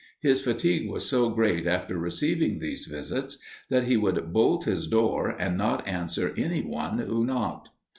His fatigue was so great after receiving these visits, that he would bolt his door, and not answer anyone who knocked.